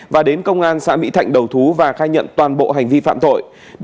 và đến công an xã mỹ thạnh đầu thú và khai nhận toàn bộ hành vi phạm tội